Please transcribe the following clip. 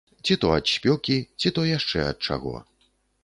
Ці то ад спёкі, ці то яшчэ ад чаго.